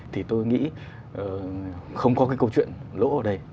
thì tôi nghĩ không có cái câu chuyện lỗ ở đây